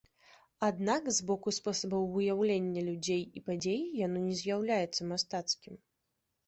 Аднак з боку спосабаў выяўлення людзей і падзей яно не з'яўляецца мастацкім.